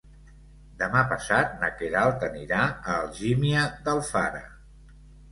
Demà passat na Queralt anirà a Algímia d'Alfara.